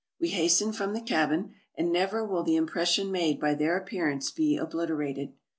We hastened from the cabin ; and never will the impression made by their appearance be obliterated.